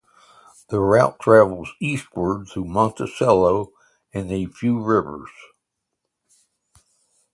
The route travels eastward, through Monticello and a few rivers.